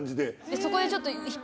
そこでちょっと。